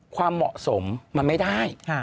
ความเหมาะสมมันไม่ได้